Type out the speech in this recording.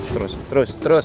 terus terus terus